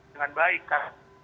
dengan baik kan